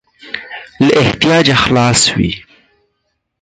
له احتیاجه خلاص وي.